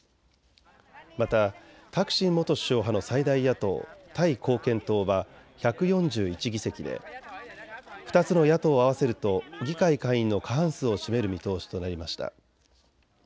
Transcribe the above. またタクシン元首相派の最大野党、タイ貢献党は１４１議席で２つの野党を合わせると議会下院の過半数を占める見通しとなりました。